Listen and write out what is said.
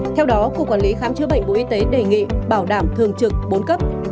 theo đó cục quản lý khám chữa bệnh bộ y tế đề nghị bảo đảm thường trực bốn cấp